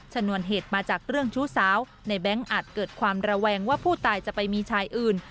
ชนวนเหตุมาจากเรื่องชู้สาวในแบงค์อาจเกิดความระแวงว่าผู้ตายจะไปมีชายอื่น